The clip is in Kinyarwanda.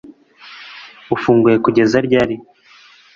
ufunguye kugeza ryari